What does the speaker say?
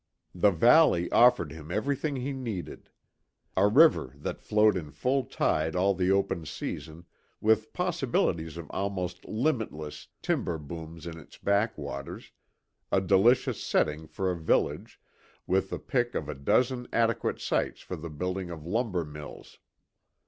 The valley offered him everything he needed. A river that flowed in full tide all the open season, with possibilities of almost limitless "timber booms" in its backwaters, a delicious setting for a village, with the pick of a dozen adequate sites for the building of lumber mills.